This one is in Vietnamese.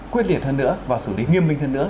quyết liệt hơn nữa và xử lý nghiêm minh hơn nữa